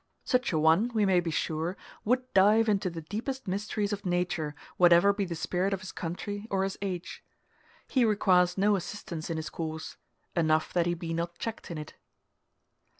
Such a one, we may be sure, would dive into the deepest mysteries of nature, whatever be the spirit of his country or his age. He requires no assistance in his course enough that he be not checked in it.